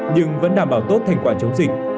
nhưng vẫn đảm bảo tốt thành quả chống dịch